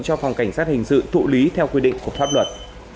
cho phòng cảnh sát hình sự thụ lý theo quy định của pháp luật